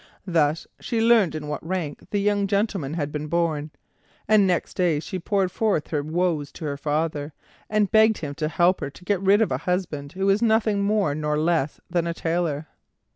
Thus she learned in what rank the young gentleman had been born, and next day she poured forth her woes to her father, and begged him to help her to get rid of a husband who was nothing more nor less than a tailor.